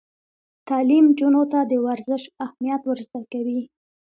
تعلیم نجونو ته د ورزش اهمیت ور زده کوي.